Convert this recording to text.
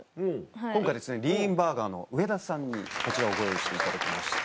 今回ＬＥＡＮＢＵＲＧＥＲ’Ｓの上田さんにこちらをご用意していただきました。